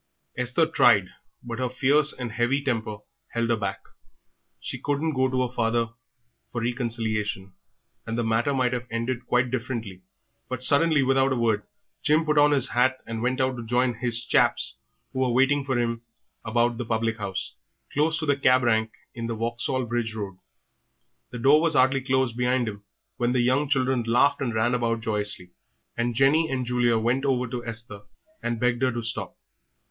Esther tried, but her fierce and heavy temper held her back. She couldn't go to her father for reconciliation, and the matter might have ended quite differently, but suddenly, without another word, Jim put on his hat and went out to join "his chaps" who were waiting for him about the public house, close to the cab rank in the Vauxhall Bridge Road. The door was hardly closed behind him when the young children laughed and ran about joyously, and Jenny and Julia went over to Esther and begged her to stop.